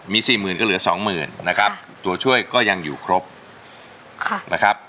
มีสี่หมื่นก็เหลือสองหมื่นนะครับตัวช่วยก็ยังอยู่ครบค่ะนะครับ